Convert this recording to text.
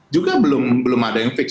juga belum ada yang fix